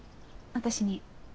私に？